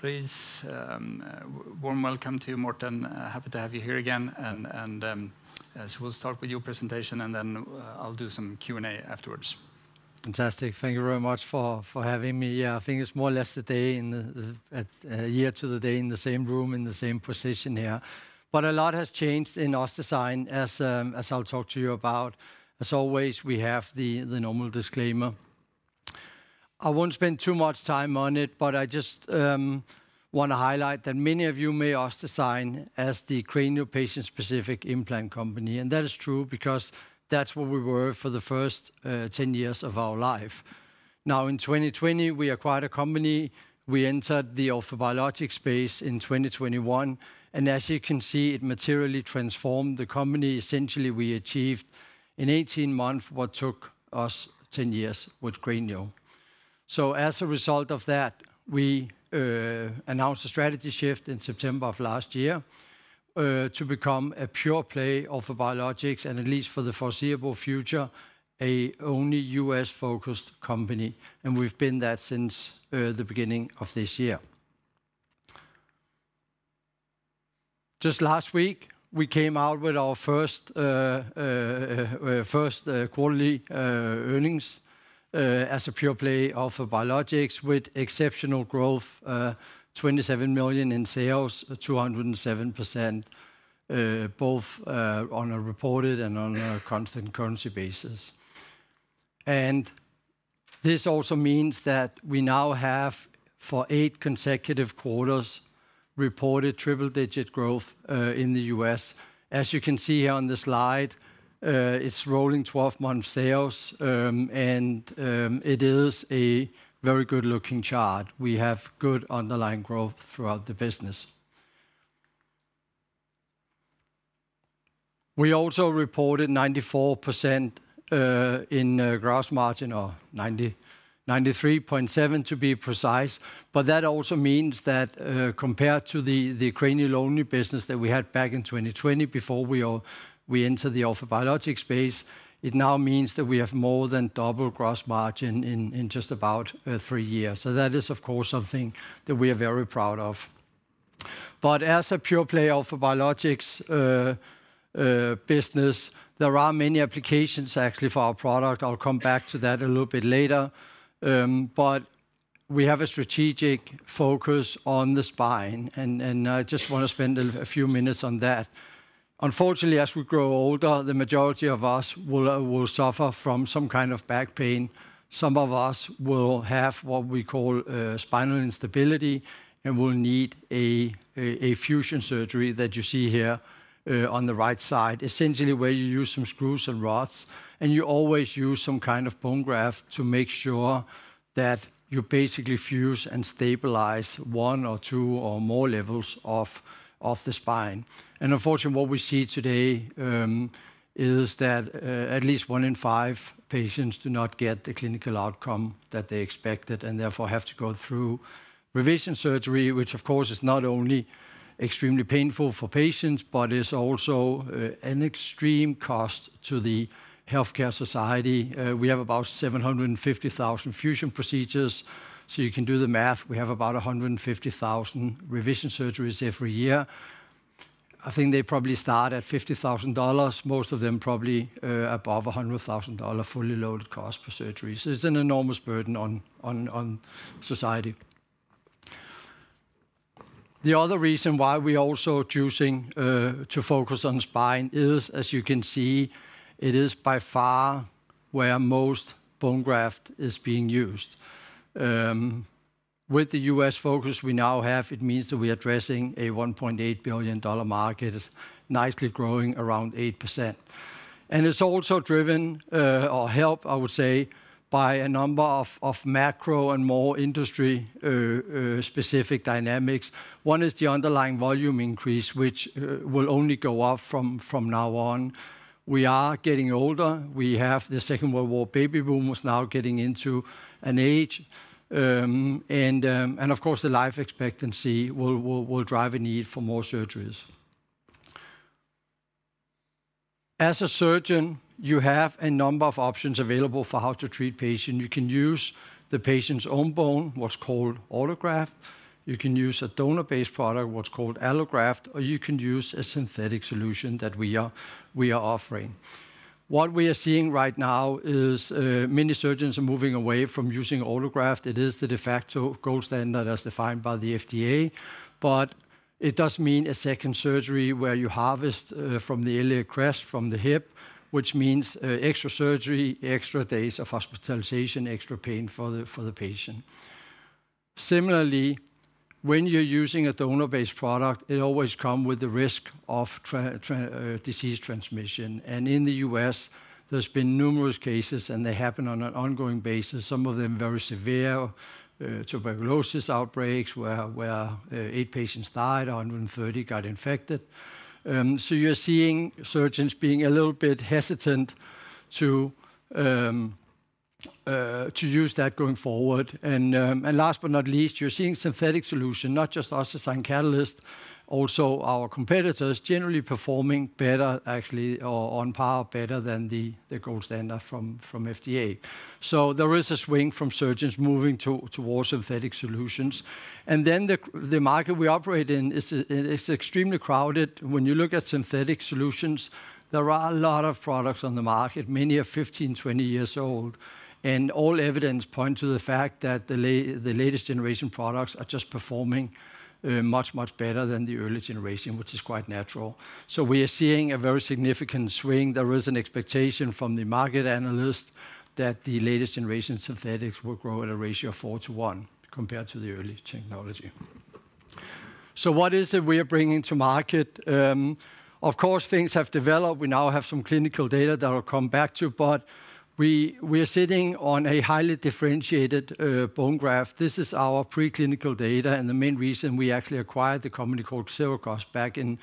Please, warm welcome to you, Morten. Happy to have you here again, and so we'll start with your presentation, and then, I'll do some Q&A afterwards. Fantastic. Thank you very much for having me. Yeah, I think it's more or less a year to the day in the same room, in the same position here. But a lot has changed in OssDsign as I'll talk to you about. As always, we have the normal disclaimer. I won't spend too much time on it, but I just want to highlight that many of you may know OssDsign as the cranial patient-specific implant company, and that is true because that's what we were for the first 10 years of our life. Now, in 2020, we acquired a company. We entered the orthobiologics space in 2021, and as you can see, it materially transformed the company. Essentially, we achieved in 18 months what took us 10 years with cranial. So as a result of that, we announced a strategy shift in September of last year to become a pure play orthobiologics, and at least for the foreseeable future, a only US-focused company, and we've been that since the beginning of this year. Just last week, we came out with our first quarterly earnings as a pure play orthobiologics with exceptional growth, $27 million in sales, 207%, both on a reported and on a constant currency basis. And this also means that we now have, for eight consecutive quarters, reported triple-digit growth in the U.S., As you can see here on the slide, it's rolling 12-month sales, and it is a very good-looking chart. We have good underlying growth throughout the business. We also reported 94% in gross margin, or 93.7%, to be precise. But that also means that compared to the cranial-only business that we had back in 2020 before we entered the orthobiologics space, it now means that we have more than double gross margin in just about three years. So that is, of course, something that we are very proud of. But as a pure-play biologics business, there are many applications actually for our product. I'll come back to that a little bit later. But we have a strategic focus on the spine, and I just want to spend a few minutes on that. Unfortunately, as we grow older, the majority of us will suffer from some kind of back pain. Some of us will have what we call, spinal instability and will need a fusion surgery that you see here, on the right side. Essentially, where you use some screws and rods, and you always use some kind of bone graft to make sure that you basically fuse and stabilize one or two or more levels of the spine. And unfortunately, what we see today, is that, at least one in five patients do not get the clinical outcome that they expected and therefore have to go through revision surgery, which of course is not only extremely painful for patients, but is also, an extreme cost to the healthcare society. We have about 750,000 fusion procedures, so you can do the math. We have about 150,000 revision surgeries every year. I think they probably start at $50,000, most of them probably above $100,000 fully loaded cost per surgery. So it's an enormous burden on society. The other reason why we're also choosing to focus on spine is, as you can see, it is by far where most bone graft is being used. With the U.S. focus we now have, it means that we are addressing a $1.8 billion market, is nicely growing around 8%. And it's also driven, or helped, I would say, by a number of macro and more industry specific dynamics. One is the underlying volume increase, which will only go up from now on. We are getting older. We have the Second World War baby boomers now getting into an age, and of course, the life expectancy will drive a need for more surgeries. As a surgeon, you have a number of options available for how to treat patient. You can use the patient's own bone, what's called autograft. You can use a donor-based product, what's called allograft, or you can use a synthetic solution that we are offering. What we are seeing right now is, many surgeons are moving away from using autograft. It is the de facto gold standard as defined by the FDA, but it does mean a second surgery where you harvest from the iliac crest, from the hip, which means extra surgery, extra days of hospitalization, extra pain for the patient. Similarly, when you're using a donor-based product, it always come with the risk of disease transmission. And in the U.S., there's been numerous cases, and they happen on an ongoing basis, some of them very severe, tuberculosis outbreaks, where eight patients died, 130 got infected. So you're seeing surgeons being a little bit hesitant to use that going forward. And last but not least, you're seeing synthetic solution, not just OssDsign Catalyst, also our competitors generally performing better actually, or on par, better than the gold standard from FDA. So there is a swing from surgeons moving to, towards synthetic solutions. And then the market we operate in is extremely crowded. When you look at synthetic solutions, there are a lot of products on the market. Many are 15, 20 years old, and all evidence points to the fact that the latest generation products are just performing much, much better than the early generation, which is quite natural. So we are seeing a very significant swing. There is an expectation from the market analyst that the latest generation synthetics will grow at a ratio of four-one, compared to the early technology. So what is it we are bringing to market? Of course, things have developed. We now have some clinical data that I'll come back to, but we, we are sitting on a highly differentiated bone graft. This is our preclinical data, and the main reason we actually acquired the company called Sirakoss back in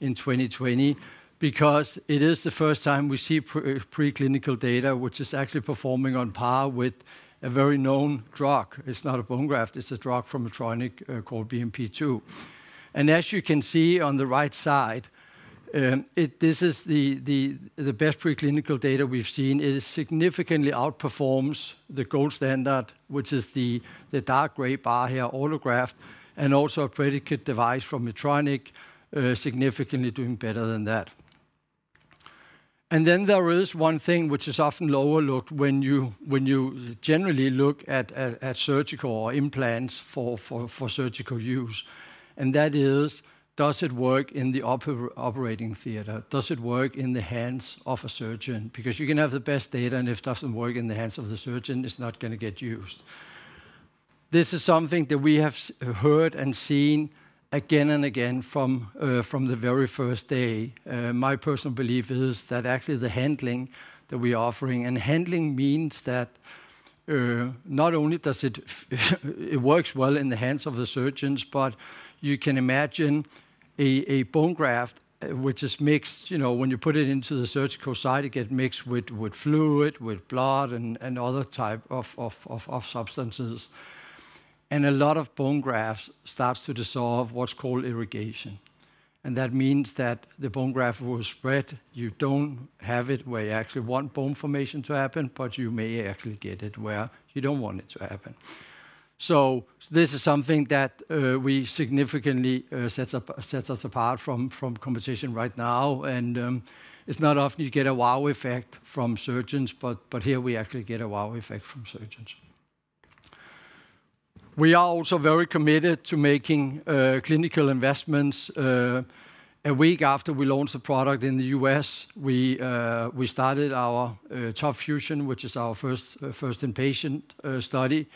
2020, because it is the first time we see preclinical data, which is actually performing on par with a very known drug. It's not a bone graft, it's a drug from Medtronic called BMP-2. As you can see on the right side, this is the best preclinical data we've seen. It significantly outperforms the gold standard, which is the dark gray bar here, allograft, and also a predicate device from Medtronic, significantly doing better than that. Then there is one thing which is often overlooked when you generally look at surgical or implants for surgical use, and that is, does it work in the operating theater? Does it work in the hands of a surgeon? Because you can have the best data, and if it doesn't work in the hands of the surgeon, it's not going to get used. This is something that we have heard and seen again and again from, from the very first day. My personal belief is that actually the handling that we are offering, and handling means that, not only does it, it works well in the hands of the surgeons, but you can imagine a bone graft, which is mixed, you know, when you put it into the surgical site, it gets mixed with fluid, with blood, and other type of substances. And a lot of bone grafts starts to dissolve, what's called migration, and that means that the bone graft will spread. You don't have it where you actually want bone formation to happen, but you may actually get it where you don't want it to happen. So this is something that significantly sets us apart from competition right now. And it's not often you get a wow effect from surgeons, but here we actually get a wow effect from surgeons. We are also very committed to making clinical investments. A week after we launched the product in the U.S., we started our TOP FUSION, which is our first in-patient study.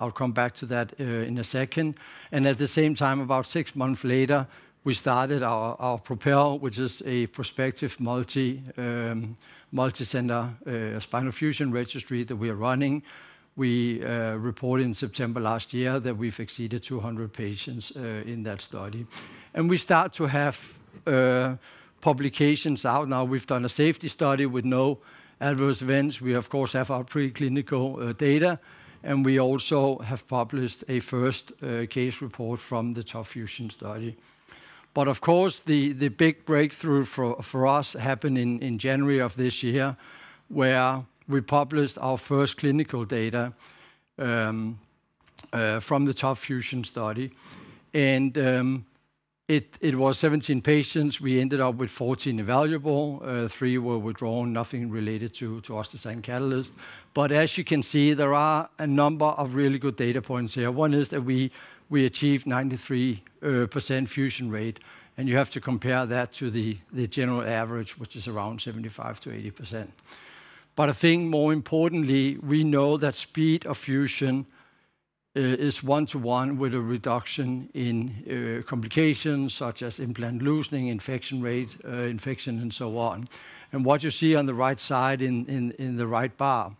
I'll come back to that in a second. And at the same time, about six months later, we started our PROPEL, which is a prospective multicenter spinal fusion registry that we are running. We reported in September last year that we've exceeded 200 patients in that study. And we start to have publications out now. We've done a safety study with no adverse events. We, of course, have our preclinical data, and we also have published a first case report from the TOP FUSION study. But of course, the big breakthrough for us happened in January of this year, where we published our first clinical data from the TOP FUSION study. It was 17 patients. We ended up with 14 evaluable, three were withdrawn, nothing related to OssDsign Catalyst. But as you can see, there are a number of really good data points here. One is that we achieved 93% fusion rate, and you have to compare that to the general average, which is around 75%-80%. But I think more importantly, we know that speed of fusion is one-one with a reduction in complications such as implant loosening, infection rate, infection, and so on. And what you see on the right side, in the right bar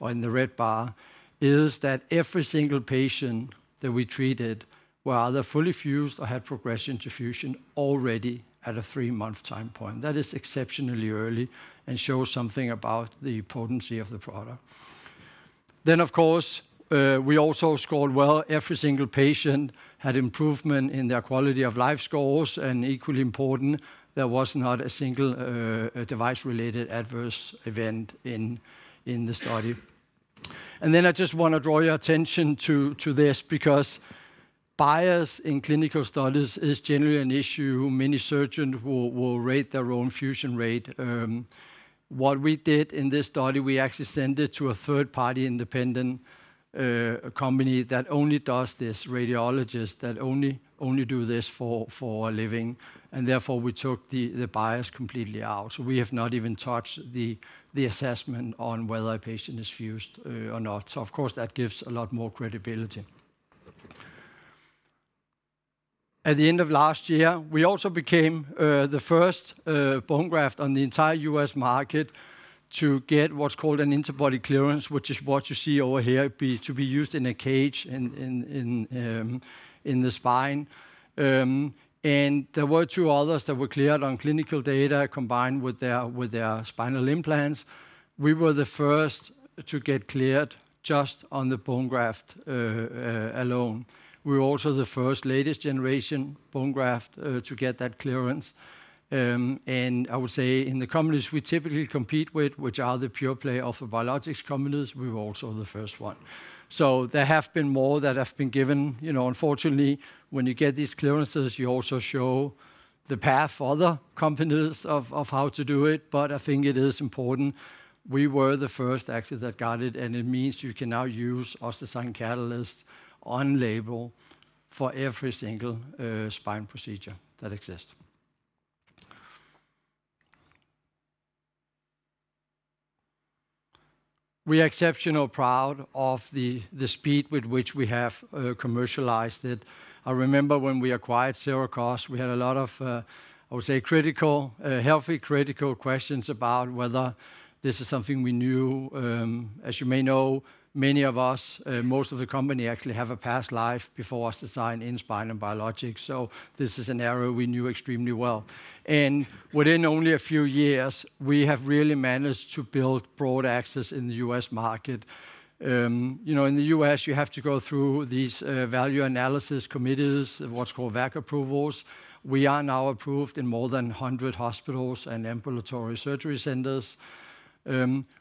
or in the red bar, is that every single patient that we treated were either fully fused or had progression to fusion already at a three-month time point. That is exceptionally early and shows something about the potency of the product. Then, of course, we also scored well. Every single patient had improvement in their quality of life scores, and equally important, there was not a single device-related adverse event in the study. And then I just want to draw your attention to this, because bias in clinical studies is generally an issue, many surgeons will rate their own fusion rate. What we did in this study, we actually sent it to a third-party independent company that only does this, radiologists that only do this for a living, and therefore, we took the bias completely out. So we have not even touched the assessment on whether a patient is fused or not. So of course, that gives a lot more credibility... At the end of last year, we also became the first bone graft on the entire U.S. market to get what's called an interbody clearance, which is what you see over here, to be used in a cage in the spine. And there were two others that were cleared on clinical data, combined with their, with their spinal implants. We were the first to get cleared just on the bone graft, alone. We were also the first latest generation bone graft, to get that clearance. And I would say in the companies we typically compete with, which are the pure play orthobiologics companies, we were also the first one. So there have been more that have been given. You know, unfortunately, when you get these clearances, you also show the path for other companies of, of how to do it, but I think it is important. We were the first actually that got it, and it means you can now use OssDsign Catalyst on label for every single, spine procedure that exists. We are exceptionally proud of the speed with which we have commercialized it. I remember when we acquired Sirakoss, we had a lot of, I would say, critical, healthy questions about whether this is something we knew. As you may know, many of us, most of the company actually have a past life before OssDsign in spine and biologics, so this is an area we knew extremely well. And within only a few years, we have really managed to build broad access in the US market. You know, in the U.S., you have to go through these value analysis committees, what's called VAC approvals. We are now approved in more than 100 hospitals and ambulatory surgery centers.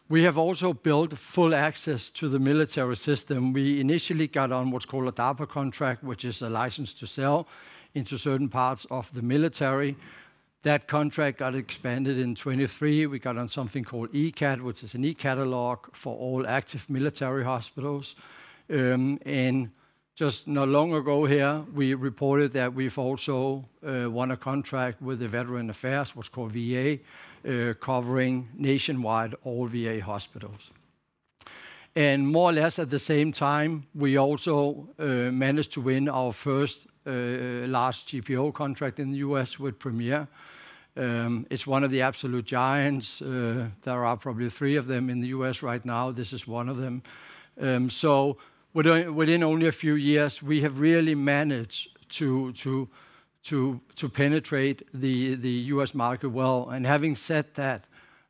We have also built full access to the military system. We initially got on what's called a DAPA contract, which is a license to sell into certain parts of the military. That contract got expanded in 2023. We got on something called ECAT, which is an e-catalog for all active military hospitals. And just not long ago here, we reported that we've also won a contract with the Veterans Affairs, what's called VA, covering nationwide all VA hospitals. And more or less at the same time, we also managed to win our first large GPO contract in the U.S. with Premier. It's one of the absolute giants. There are probably three of them in the U.S. right now. This is one of them. So within only a few years, we have really managed to penetrate the US market well, and having said that,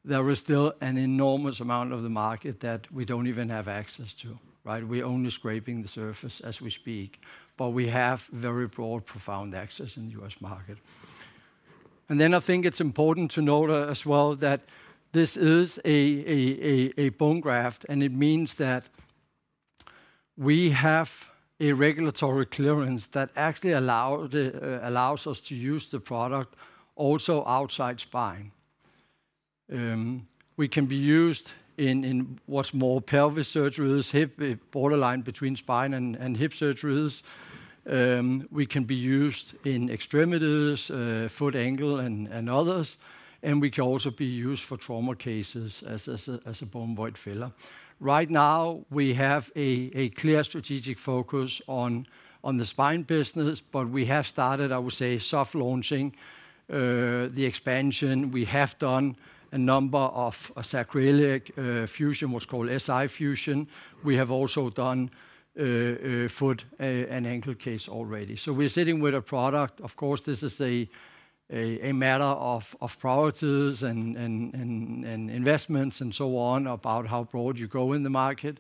there is still an enormous amount of the market that we don't even have access to, right? We're only scraping the surface as we speak, but we have very broad, profound access in the US market. And then I think it's important to note as well that this is a bone graft, and it means that we have a regulatory clearance that actually allows us to use the product also outside spine. We can be used in what's more pelvis surgeries, hip, borderline between spine and hip surgeries. We can be used in extremities, foot, ankle, and others, and we can also be used for trauma cases as a bone void filler. Right now, we have a clear strategic focus on the spine business, but we have started, I would say, soft launching the expansion. We have done a number of sacroiliac fusion, what's called SI fusion. We have also done foot and ankle case already. So we're sitting with a product. Of course, this is a matter of priorities and investments and so on, about how broad you go in the market.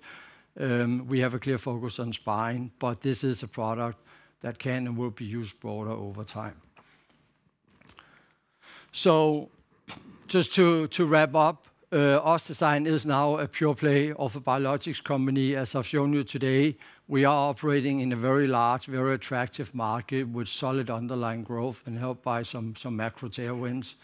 We have a clear focus on spine, but this is a product that can and will be used broader over time. So just to wrap up, OssDsign is now a pure play orthobiologics company. As I've shown you today, we are operating in a very large, very attractive market with solid underlying growth and helped by some macro tailwinds.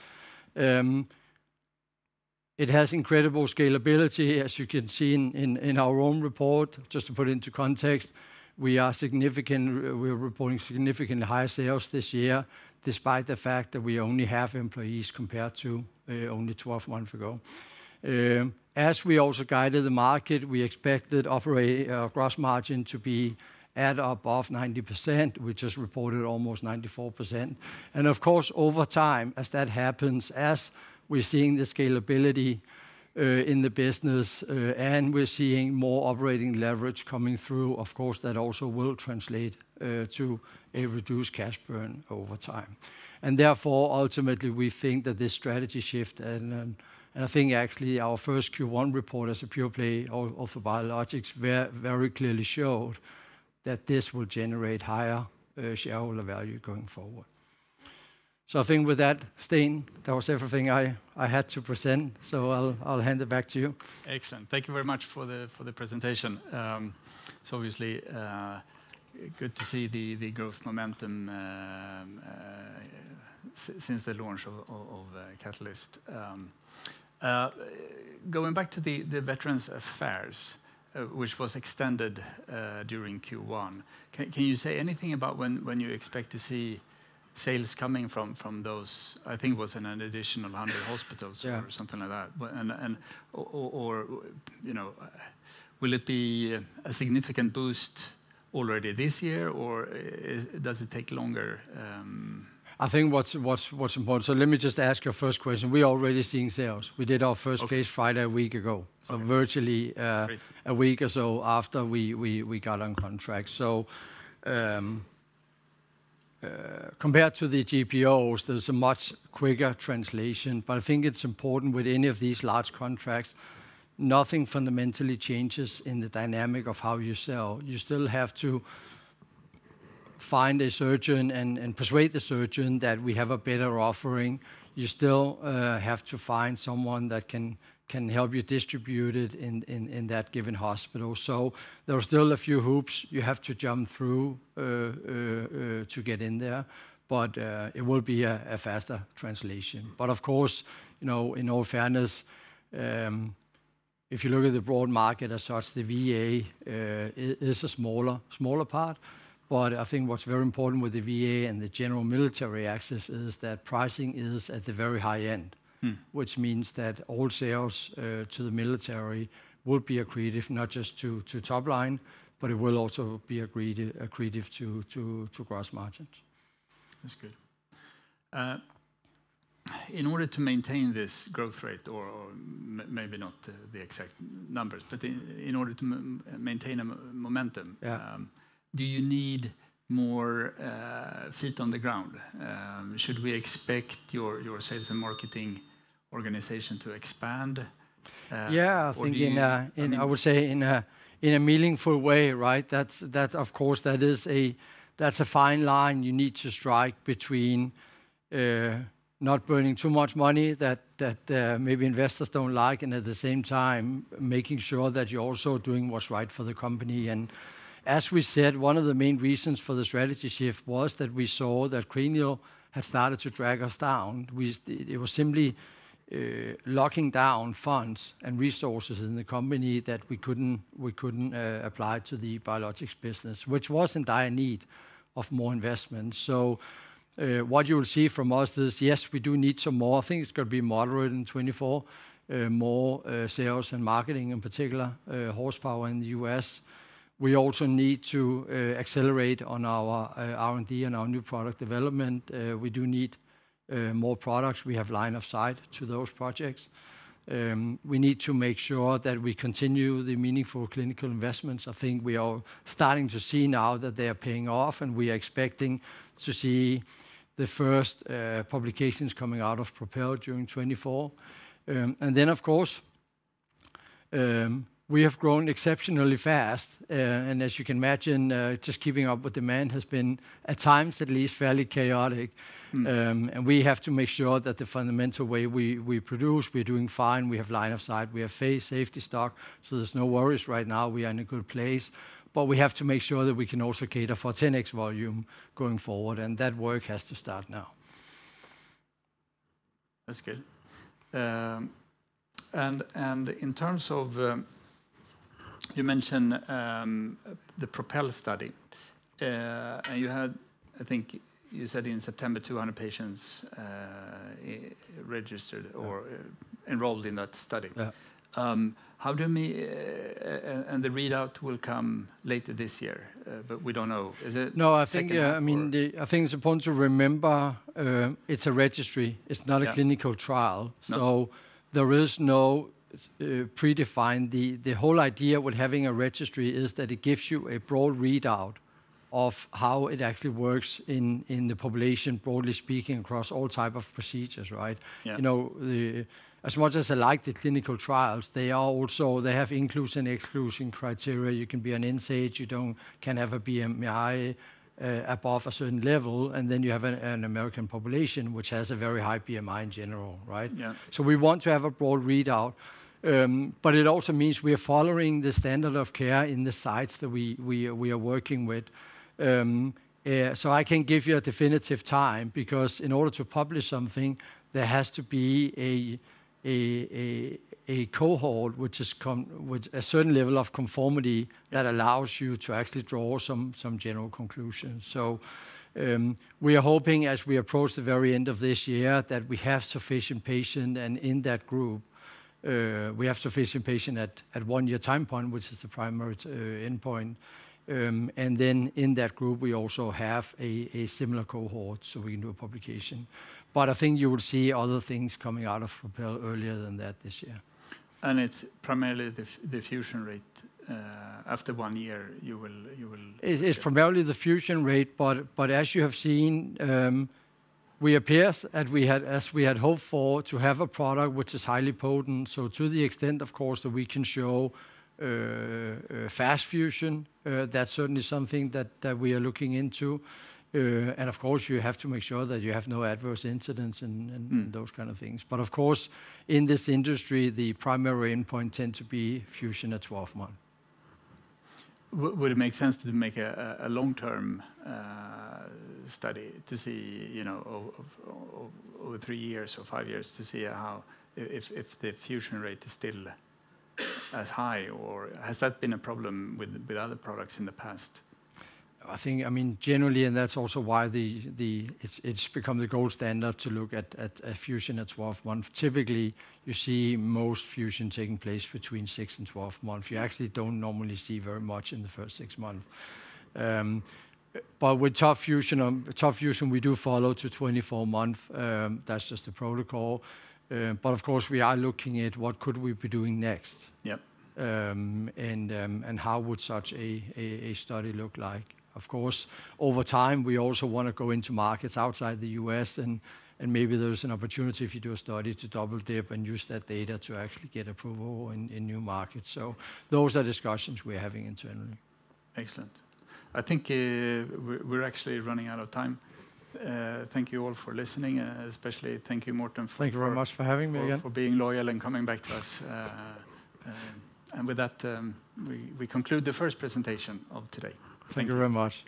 It has incredible scalability, as you can see in our own report. Just to put into context, we are reporting significantly higher sales this year, despite the fact that we only have employees compared to only 12 months ago. As we also guided the market, we expected operating gross margin to be at above 90%, which is reported almost 94%. And of course, over time, as that happens, as we're seeing the scalability in the business, and we're seeing more operating leverage coming through, of course, that also will translate to a reduced cash burn over time. And therefore, ultimately, we think that this strategy shift and I think actually our first Q1 report as a pure play orthobiologics very, very clearly showed that this will generate higher shareholder value going forward. So I think with that, Sten, that was everything I had to present, so I'll hand it back to you. Excellent. Thank you very much for the presentation. So obviously, good to see the growth momentum since the launch of Catalyst. Going back to the Veterans Affairs, which was extended during Q1, can you say anything about when you expect to see sales coming from those, I think it was an additional 100 hospitals- Yeah —or something like that. But you know, will it be a significant boost already this year, or does it take longer? I think what's important... So let me just ask your first question. We're already seeing sales. We did our first case- Okay Friday, a week ago. Okay. So virtually, Great... a week or so after we got on contract. So, compared to the GPOs, there's a much quicker translation. But I think it's important with any of these large contracts, nothing fundamentally changes in the dynamic of how you sell. You still have to find a surgeon and persuade the surgeon that we have a better offering. You still have to find someone that can help you distribute it in that given hospital. So there are still a few hoops you have to jump through to get in there, but it will be a faster translation. But of course, you know, in all fairness, if you look at the broad market as such, the VA is a smaller part. I think what's very important with the VA and the general military access is that pricing is at the very high end. Mm. Which means that all sales to the military will be accretive, not just to top line, but it will also be accretive to gross margins. That's good. In order to maintain this growth rate, or maybe not the exact numbers, but in order to maintain a momentum- Yeah ... do you need more feet on the ground? Should we expect your sales and marketing organization to expand, or do you- Yeah, I think in a- I mean-... I would say in a meaningful way, right? That's, that of course, that is a, that's a fine line you need to strike between not burning too much money, that maybe investors don't like, and at the same time, making sure that you're also doing what's right for the company. And as we said, one of the main reasons for the strategy shift was that we saw that cranial had started to drag us down. It was simply locking down funds and resources in the company that we couldn't apply to the biologics business, which was in dire need of more investment. So, what you will see from us is, yes, we do need some more. I think it's going to be moderate in 2024, more sales and marketing, in particular, horsepower in the U.S. We also need to accelerate on our R&D and our new product development. We do need more products. We have line of sight to those projects. We need to make sure that we continue the meaningful clinical investments. I think we are starting to see now that they are paying off, and we are expecting to see the first publications coming out of PROPEL during 2024. And then of course, we have grown exceptionally fast. And as you can imagine, just keeping up with demand has been, at times, at least, fairly chaotic. Mm. And we have to make sure that the fundamental way we produce, we're doing fine, we have line of sight, we have safety stock, so there's no worries right now. We are in a good place. But we have to make sure that we can also cater for 10X volume going forward, and that work has to start now. That's good. In terms of... You mentioned the PROPEL study. And you had, I think you said in September, 200 patients registered or- Yeah... enrolled in that study. Yeah. The readout will come later this year, but we don't know. Is it- No, I think- Second half or?... yeah, I mean, I think it's important to remember, it's a registry. Yeah. It's not a clinical trial. No. So there is no predefined. The whole idea with having a registry is that it gives you a broad readout of how it actually works in the population, broadly speaking, across all type of procedures, right? Yeah. You know, as much as I like the clinical trials, they are also—they have inclusion, exclusion criteria. You can be an end stage. You don't, can't have a BMI above a certain level, and then you have an American population, which has a very high BMI in general, right? Yeah. So we want to have a broad readout. But it also means we are following the standard of care in the sites that we are working with. So I can't give you a definitive time, because in order to publish something, there has to be a cohort which is complete with a certain level of conformity that allows you to actually draw some general conclusions. So we are hoping, as we approach the very end of this year, that we have sufficient patients, and in that group, we have sufficient patients at one-year time point, which is the primary endpoint. And then in that group, we also have a similar cohort, so we can do a publication. But I think you will see other things coming out of PROPEL earlier than that this year. It's primarily the fusion rate after one year, you will, you will- It's primarily the fusion rate, but as you have seen, we appear, as we had hoped for, to have a product which is highly potent. So to the extent, of course, that we can show fast fusion, that's certainly something that we are looking into. And of course, you have to make sure that you have no adverse incidents and- Mm... those kind of things. But of course, in this industry, the primary endpoint tend to be fusion at 12 month. Would it make sense to make a long-term study to see, you know, over three years or five years to see how if the fusion rate is still as high? Or has that been a problem with other products in the past? I think, I mean, generally, and that's also why it's become the gold standard to look at a fusion at 12 months. Typically, you see most fusion taking place between six and 12 months. You actually don't normally see very much in the first six months. But with TOP FUSION, we do follow to 24 months. That's just the protocol. But of course, we are looking at what could we be doing next? Yep. And how would such a study look like? Of course, over time, we also want to go into markets outside the U.S., and maybe there's an opportunity if you do a study, to double dip and use that data to actually get approval in new markets. So those are discussions we're having internally. Excellent. I think, we're actually running out of time. Thank you all for listening, especially thank you, Morten, for- Thank you very much for having me again. ...for being loyal and coming back to us. And with that, we conclude the first presentation of today. Thank you. Thank you very much.